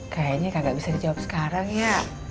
kayaknya gak bisa dijawab sekarang ya